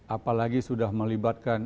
apalagi sudah melibatkan